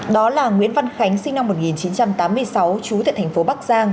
đó là nguyễn văn khánh sinh năm một nghìn chín trăm tám mươi sáu trú tại thành phố bắc giang